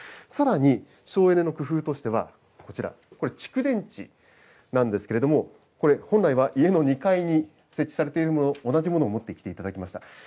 さらに、省エネの工夫としてはこちら、これ蓄電池なんですけれども、これ、本来は家の２階に設置されているもの、同じものを持ってきていただきました。